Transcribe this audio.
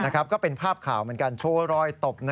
ก็เป็นภาพข่าวเหมือนกันโชว์รอยตบ